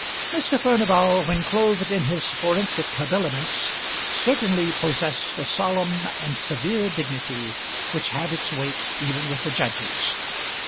Mr. Furnival when clothed in his forensic habiliments certainly possessed a solemn and severe dignity which had its weight even with the judges.